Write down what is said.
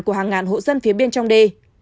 của hàng ngàn hộ dân phía bên trong đê